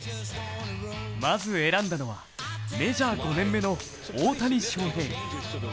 まず選んだのはメジャー５年目の大谷翔平。